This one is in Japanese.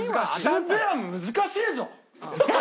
２ペアも難しいぞ！